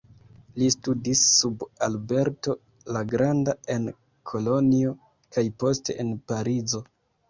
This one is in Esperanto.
Li studis sub Alberto la Granda en Kolonjo kaj poste en Parizo.